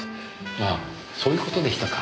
ああそういう事でしたか。